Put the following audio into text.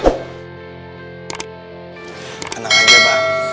tenang saja pak